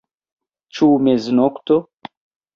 Ĉu meznokto?